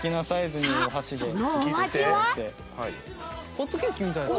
ホットケーキみたいな。